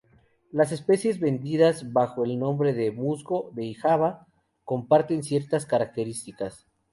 Las especies vendidas bajo el nombre de "musgo de Java" comparten ciertas características.